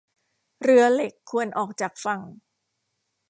เรือเหล็กควรออกจากฝั่ง